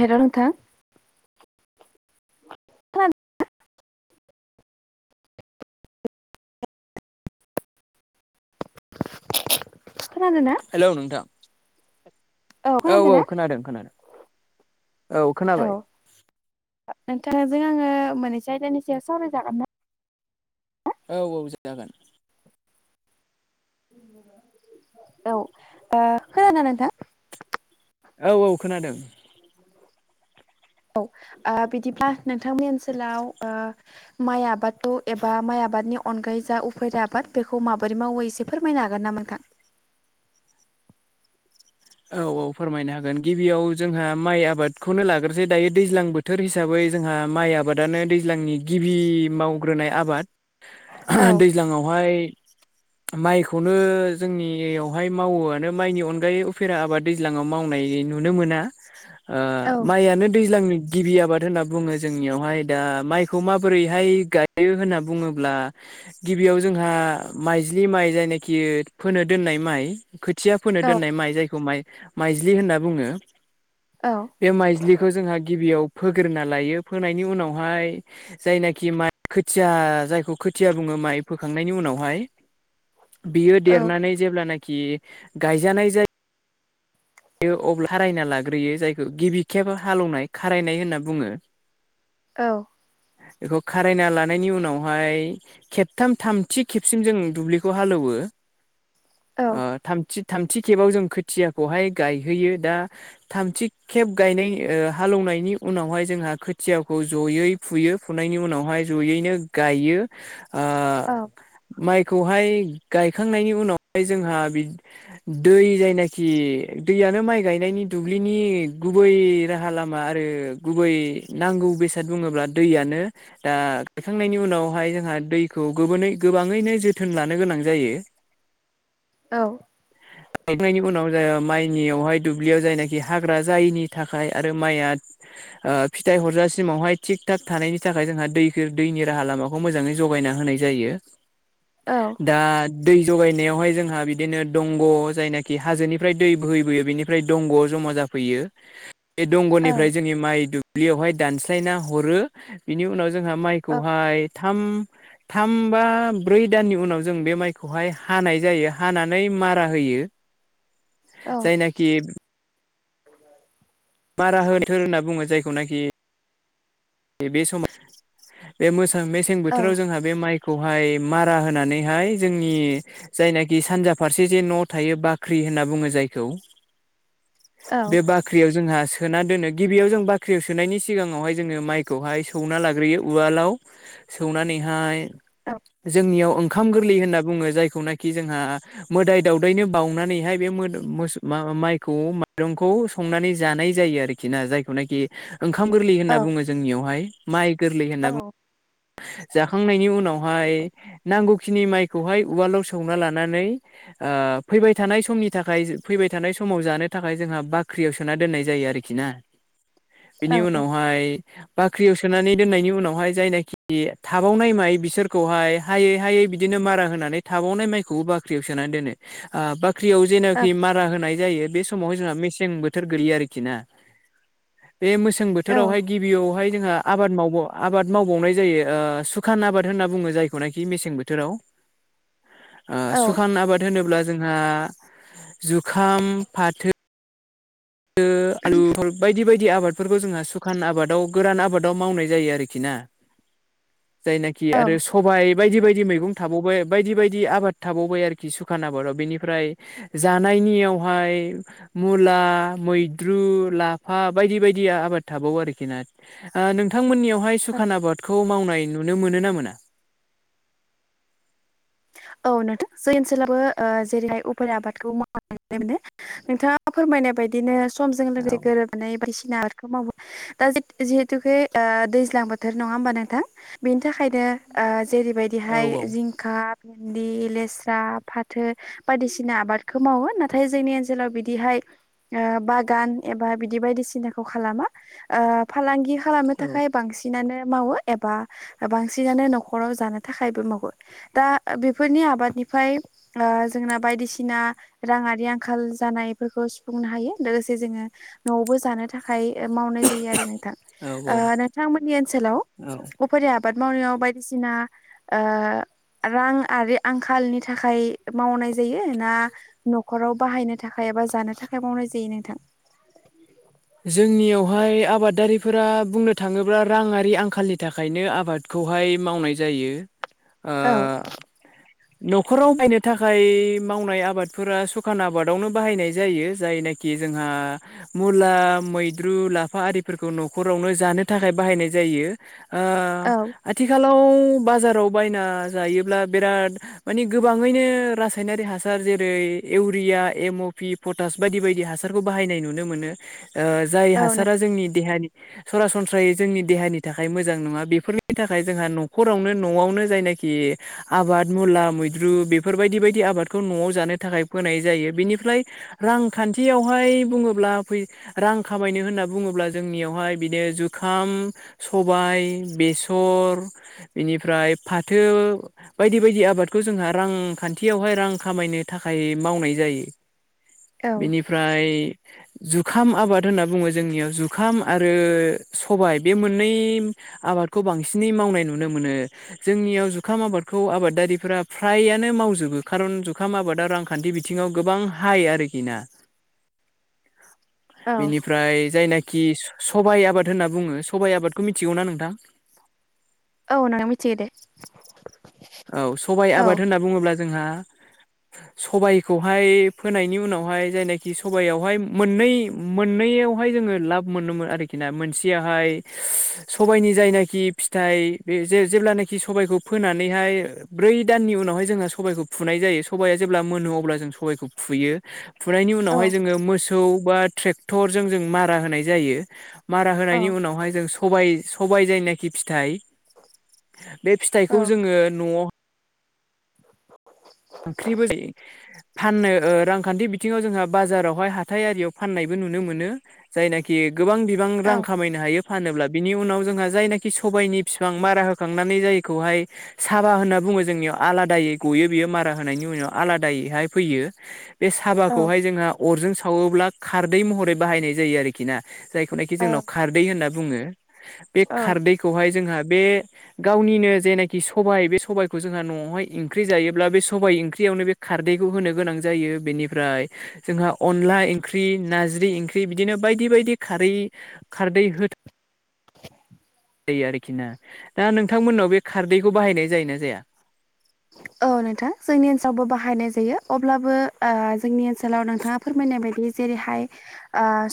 हेल' नोंथां खोनादोना? [inaudible] खोनादों ना हेल' नोंथां । औ औ खोनादों खोनादों औ खोनाबाय नोंजों आङो मोननैसो आयदानि सायाव सावरायजागोन ना? औ औ जागोन औ ओ खोनादों नोंथां । औ औ खोनादों औ ओ बिदिबा नोंथांनि ओनसोलाव ओ माइ आबादखौ एबा माइ आबादनि अनगायै जा उफेरा आबाद बेखौ माबोरै मावो एसे फोरमायना हागोन नामा नोंथां औ औ फोरमायनो हागोन गिबियाव जोंहा माइ आबादखौनो लाग्रोसै दायो दैज्लां बोथोर हिसाबै जोंहा माइ आबादानो दैज्लांनि गिबि मावग्रोनाय आबाद ओ औ दैज्लांआवहाय माइखौनो जोंनिआवहाय मावोआनो माइनि अनगायै उफेरा आबाद दैज्लांआव मावनाय नुनो मोना ओ औ माइआनो दैज्लांनि गिबि आबाद होना बुङो जोंनियावहाय दा माइखौ माबोरैहाय गायो होना बुङोब्ला गिबियाव जोंहा माइज्लि माइ जायनाखि फोनो दोननाय माइ खोथिया फोनो औ दोननाय माइ जायखौ माइ माइज्लि होनना बुङो औ बे माइज्लिखौ जोंहा गिबिआव फोग्रोना लायो फोनायनि उनावहाय ओ जायनाखि माइ खोथिया जायखौ खोथिया बुङो माइ फोखांनायनि उनावहाइ [inaudible] बियो देरनानै जेब्लानाखि गायजानाय जायो अब्ला खारायना लाग्रोयो जायखौ गिबि खेबा हालौवनाय कारायनाय होनना बुङो औ बेखौ खारायना लानायनि उनावहाय खेबथाम थामथि खेबसिम जों दुब्लिखौ हालौवो [inaudible] ओ थामथि थामथि खेबाव जों खोथियाखौहाय गायहैयो दा थामथि खेब गायनाय ओ हालौवनायनि उनावहाय जोंहा खोथियाखौ जयै फुयो फुनायनि उनावहाय जयैनो गायो ओ औ माइखौहाय गाय खांनायनि उनावहाय जोंहा बिदिनो दै जायनाखि दैआनो माइ गायनायनि दुब्लिनि गुबै राहा लामा आरो गुबै नांगौ नांगौ बेसाद बुङोब्ला दैआनो दा गायखांनायनि उनावहाय जोंहा दै खौ गोबोनै गोबाङैनो जोथोन लानो गोनां जायो औ गाइखनायनि उनाव ओ माइ जोंनियावहाय दुब्लियाव जायनाखि हाग्रा जायैनि थाखाय आरो माइआ ओ फिथाइ हरजासिम समावहाय थिग थाग थानायनि थाखाय जोंहा दैनि राहा लामाखौ मोजाङै जगायना होनाय जायो। दा दै जगायनायावहाय जोंहा बिदिनो दंग' जायनाखि हाजोनिफ्राय दै बोहैबोयो बेनिफ्राय दंग' जमा जाफैयो बे औ दंग'निफ्राय जोंनि माइ दुब ब्लियावहाय दानस्लायना हरो बिनि उनाव जोंहा माइखौहाय थाम थाम बा ब्रै दाननि उनाव जों बे माइखौहाय हानाय जायो हानानै मारा होयो। [inaudible] जायनाखि [inaudible] मारा होथो होनना बुङो जायखौनाखि। बे-बे समाव बे मोसों मेसें बोथोराव जोंहा बे माइखौ माइ मारा होनानैहाय जोंनि जायनाखि सानजा फारसे जे न' थायो बाख्रि होन ना बुङो जायखौ [inaudible] बे बाख्रियाव जोंहा सोना दोनो गिबियाव जों बाख्रियाव सोनायनि सिगाङावहाय जोङो माइ खौहाय सौना लाग्रोयो उवालाव सौनानैहाय औ जोंनियाव ओंखाम गोरलै होनना बुङो जाय खौनाखि जोंहा मोदाय दावदैनो बावउनानैहाय बे मोदोम मोस मा-मा-माइखौ माइरंखौ खौ संनानै जानाय जायो आरोखि ना जायखौनाखि ओंखाम गोरलै होनना बुङो जोंनियावहाय माइ गोरलै होनना बु जाखांनायनि उनावहाय नांगौखिनि माइखौहाय उवालाव सौना लानानै ओ फैबाय थानाय समनि थाखाय फैबाय थानाय समाव जानो थाखाय जोंहा बा ख्रियाव सोना दोननाय जायो आरोखि ना। बिनि उनावहाय बाख्रियाव सोनानै दोननायनि उनावहाय जायनाखि खि थाबावनाय माइ बिसोरखौहाय हायै हायै बिदिनो मारा होनानै थाबावनाय माइखौ बाख्रियाव सोनो ना दोनो ओ बाख्रियाव जेनाखि मारा होनाय जायो बे समावहाय जोंहा मेसें बोथोर गोलैयो आरोखि ना। बे मोसें बोथोरावहाय गिबियावहाय जोंहा आबाद मावबाव आबाद मावबावनाय जायो ओ सुखान आबाद होन्ना बुङो जायखौनाखि मेसें बोथोराव। ओ औ सुखान आबाद होनोब्ला जोंहा जुखाम, फाथो थो आलुफोर बायदि बायदि दि आबादफोरखौ जोंहा सुखान आबादाव गोरान आबादाव मावनाय जायो आरोखि ना। जायनाखि औ आरो सबाइ बायदि बायदि मैगं थाबावबाय बायदि बायदि आबाद थाबावबाय आरोखि सुखान आबादाव बेनिफ्राय जानाय इनियावहाय मुला मैद्रु लाफा बायदि बायदिया आबाद थाबावो आरोखि ना ओ नोंथांमोननियाव हाय सुखान आबादखौ मावनाय नुनो मोनोना मोना? औ नोंथां जै ओनसोलावबो ओ जेरैहाय उफेरा आबादखौ [inaudible] नोंथाङा फोरमाय मायनाय बायदिनो समजों लोगोसे औ गोरोबनानै [unintelligible] दा [unintelligible] जिहेथुके ओ दैज्लां बोथोर नङा होमबा नोंथां बेनि थाखायनो ओ जेरैबायदिहाय औ जिंखा दि लेस्रा फाथो बायदिसिना आबादखौ मावो नाथाय जोंनि ओनसोलाव बिदिहाय ओ बागान एबा बिदि बायदिसिनाखौ खालामा ओ फालांगि खालामनो थाखाय बांसिनानो मावो एबा बांसिनानो न'खराव जानो थाखायबो मावो दा ओ बेफोरनि आबादनिफाय ओ जोंना बायदिसिना राङारि आंखाल जानायफोरखौ सुफुंनो हायो लोगोसे जोङो न'आवबो जानो थाखाय ओ मावनाय जायो आरो नोंथां ओ औ नोंथांमोननि ओनसोलाव औ अफेरा आबाद मावनायाव बायदिसिना ओ रां आरि आंखालनि थाखाय मावनाय जायो ना न'खराव बाहायनो थाखाय एबा जानो थाखाय मावनाय जायो नोंथां? जोंनियावहाय आबादारिफोरा बुंनो थाङोब्ला राङारि आंखालनि थाखायनो आबादखौ खौहाय मावनाय जायो। औ ओ न'खराव बायनो थाखाय मावनाय आबादफोरा सुखान आबादावनो बाहायनाय जायो जायनाखि जोंहा मु मुला मैद्रु लाफा आरिफोरखौ न'खरावनो जानो थाखाय बाहायनाय जायो। आ औ आथिखालाव लाव बाजाराव बायना जायोब्ला बिराद मानि गोबाङैनो रासायनारि हासार जेरै इउरिया एम पि पटास बायदि बायदि हासारखौ बाहायनाय नुनो मोनो। ओ जाय औ नों हासारा जोंनि देहानि सरासनस्रायै जोंनि देहानि थाखाय मोजां नङा बेफोरनि थाखाय जोंहा न'खरावनो न'आवनो जायनाखि आबाद मुला मैद्रु बेफोरबायदि बायदि आबादखौ न'आव जानो थाखाय फोनाय जायो बिनि निफ्राय रांखान्थियावहाय बुङोब्ला फै रां खामायनो होनना बुङोब्ला जोंनियावहाय बिदिनो जुखाम सबाय बेसर थर बेनिफ्राय फाथो बायदि बायदि आबादखौ जोंहा रांखान्थियावहाय रां खामनो थाखाय मावनाय जायो औ बेनिफ्राय जुखाम आबाद होनना बुङो जोंनियाव जुखाम आरो सबाय बे मोननै आबादखौ बांसिनै मावनाय नुनो मोनो जोंनियाव जुखाम आबादखौ आबादारिफोरा फ्रायानो मावजोबो खारन जुखाम आबादा रांखान्थि बिथिङाव गोबां हाइ आरोखि ना? [inaudible] बेनिफ्राय जायनाखि कि सबाइ आबाद होनना बुङो सबाइ आबादखौ मिथिगौना नोंथां? औ नोंथां मिथिगो दे। औ सबाइ औ आबाद होनना बुङोब्ला जोंहा सबायखौहाय फोनायनि उनावहाय जायनाखि सबायावहाय मोननै मोननै हाय जोङो लाब मोननो आरोखि ना मोनसेयावहाय सबबायनि जायनाखि फिथाइ जेब्लानखि सबायखौ फोनानै नैहाय ब्रै दाननि उनावहाय जोंहा सबाइखौ फुनाय जायो सबाइआ जेब्ला मोनो अब्ला जों साबाइखौ फुयो। फुनायनि औ उनावहाय जोङो मोसौ बा ट्रेक्टरजों जों मारा होनाय जायो। मारा औ होनायनि उनावहाय जों सबाइ सबाइ जायनाखि फिथाइ बे फिथाइखौ औ जोङो न'आव ओंख्रिबो जयो फाननो रांखान्थि बिथिङाव जोंहा बाजारावहाय हाथाइ आरियाव फाननायबो नुनो मोनो जायनाखि गोबां बिबां रां खामायनो हायो। फानोब्ला बिनि उनाव जोंहा जायनाखि सबायनि बिफां मारा होखांनानै जायखौहाय साबा होनना बुङो जोंनियाव आलादायै गयो बेयो मा मारा होनायनि उनाव आलादायैहाय फैयो बे औ साबाखौहाय जोङो अरजों सावोब्ला खारदै महरै बाहायनाय जायो आरोखि ना? जायखौनाखि औ जोंनाव खारदै होनना बुङो बे औ खारदैखौहाय जोंहा बे गावनिनो जेनाखि सबाय बे सबायखौ जोंहा न'आवहाय ओंख्रि जायोब्ला बे सबाइ ओंख्रियावनो बे खारदैखौ होनो गोनां जायो बेनिफ्राय जोंहा अनला ओंख्रि नारजि नारजि ओंख्रि बिदिनो बायदि बायदि खारै खारदै हो जायो आरोखि ना दा नोंथांमोननाव बे खारदैखौ बाहायनाय जायोना जाया? [inaudible] औ नोंथां जोंनि ओनसोलावबो बाहायनाय जायो अब्लाबो जोंनि ओनसोलाव नोंथाङा फोरमायनाय बायदि जेरैहाय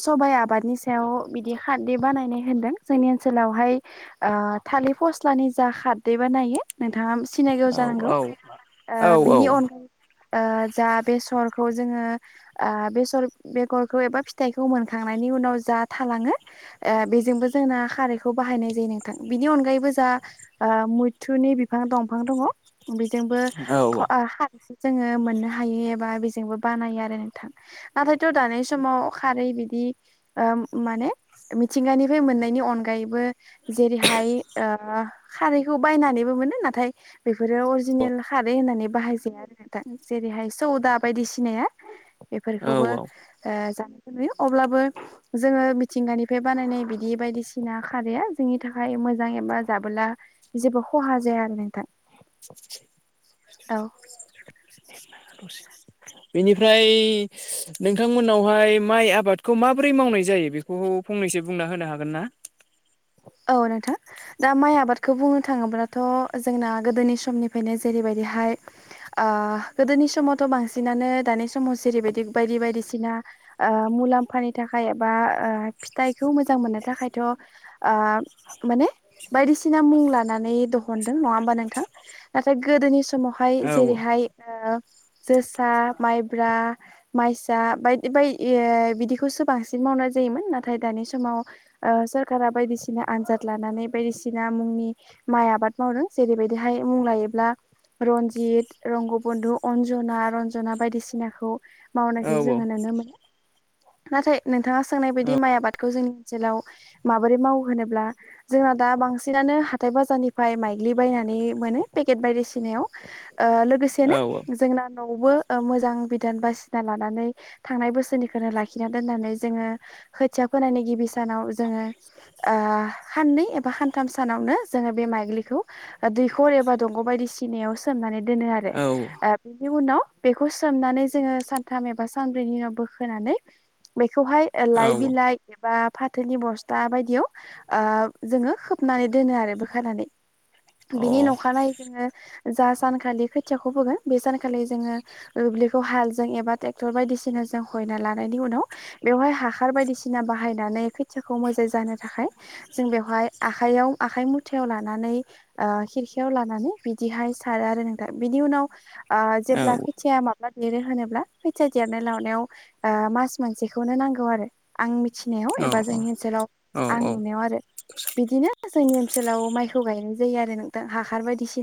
सबाइ आबादनि सायाव बिदि खारदै बानायनाय होनदों जोंनि ओनसोलावहाय ओ थालिर फसलानि जा खारदै बानायो नोंथाङा सिनायगौ औ जानांगौ औ बिनि अनगायै जा बेसरखौ जोङो बेसर बेगरखौ एबा फिथाइखौ मोनखां उनाव जा थालाङो बेजोंबो जोंना खारखौ बाहायनाय जायो नोंथां बिनि अनायैबो आ मैथ्रुनि बिफां दफां दङ बेजोंबो औ जोङो मोननो हायो एबा बेजोंबो बानायो आरो नोंथां नाथायथ' दानि समाव खारै बिदि ओ माने मिथिंगानिफ्राय मोननायनि जेरैहाय ओ खारैखौ बायनानैबो मोनो नाथाय बे बेफोरो अरिजिनेल खारै होननानै बाहायजाया आरो दा जेरैहाय सौदा बायदिसिनाया औ बेफोरखौबो औ ओ जा अब्लाबो जोङो मिथिंगानिफ्राय बानायनाय बिदि बायदिसिना मोजां एबा जाबोला जेबो खहा जाया आरो नोंथां औ [unintelligible] बेनिफ्राय नोंथांमोननावहाय माइ आबादखौ माबोरै मावनाय जायो बेखौ फं फंनैसो बुंना होनो हागोन ना? [inaudible] औ नोंथां दा माइ आबादखौ बुंनो थाङोब्लाथ' जोंना गोदोनि समनिफ्रायनो जेरैबायदि हाय ओ गोदोनि समावथ' बांसिनानो दानि समाव जेरैबायदि बायदि बायदिसिना ओम मुलाम्फानि थाखाय एबा ओ फिथाइखौ मोजां मोननो थाखायथ' आ माने बायदिसिना मुं लानानै दहुनदों नङा होमबा नोंथां नाथाय गोदोनि स मावहाय औ जेरैहाय ओ जोसा माइब्रा माइसा बायदि [unintelligible] बिदिखौ सो बांसिन मावनाय जायोमोन नाथाय दानि समाव ओ सोरखारा बायदिसिना आनजाद लानानै बायदिसिना मुंनि माइ आबाद मावदों जेरैबायदिहाय मुं लायोब्ला रनजित रंगबन्धु अन्जना रन्जना बायदिसिनाखौ मावनायखौ औ जोङो नुनो मोनो नाथाय नोंथाङा सोंनाय बायदि माइ आबादखौ जोंनि ओनसोलाव मा बोरै मावो होनोब्ला जोंना दा बांसिनानो हाथाय बाजारनिफ्राय माइग्लि बायनानै मोन पेकेट बायदिसिनायाव ओ लोगोसेनो औ औ औ जोंना न वबो मोजां बिधान बासिना लानानै थांनाय बोसोरनिखोनो लाखिना दोननानै जोङो खोथिया फोनायनि गिबि सानाव जोङो ओ खाननै एबा खानथाम सानावनो जोङो बे माइग्लिखौ ओ दैखर एबा दंग' बायदि सिनायाव सोमनानै दोनो आरो औ ओ बे नि उनाव बेखौ सोमनानै जोङो सानथाम एबा सानब्रैनि उनाव बोखोनानै बे खौहाय ओ औ लाइ बिलाइ एबा फाथोनि बस टा दाबायदियाव ओ जोङो खोबनानै दोनो आरो बोखारनानै बिनि न'खानायै जा सानखालि खोथियाखौ फोगोन बे सानखालि जोङो दुब्लिखौ हालजों एबा टेक्टर बायदिसिना जों हयना लानायनि उनाव बेवहाय हाखार बायदिसिना बाहायनानै खोथिया खौ [unintelligible] थाखाय जों बेवहाय आखायाव आखाइ मुथायाव लानानै ओ खिरखायाव लानानै बिदिहाय सारो आरो नोंथां बिनि उनाव ओ औ जेब्ला खोथिया मा देरो होनोब्ला खोथिया देरनाय लावनायाव ओ मास मोनसेखौनो नांगौ आरो आं मि थिनायाव औ एबा जोंनि ओन सोलाव आं नुनायाव आरो बिदिनो जोंनि ओनसोलाव माइखौ गायनाय जायो आरो नोंथां हा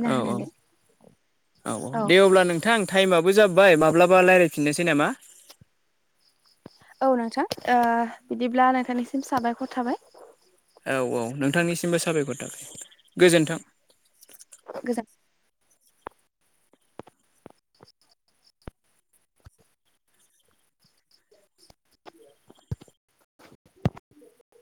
औ औ औ औ दे अब्ला नोंथां टाइमा बो जाबाय माब्लाबा लायरायफिननोसै नामा औ नोंथां ओ बिदिब्ला नोंथांनिसिम साबायखर थाबाय औ औ नोंथांनिसिमबो साबायखर थाबाय गोजोन्थों गोजोन